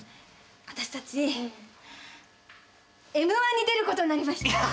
私たちＭ−１に出ることになりました。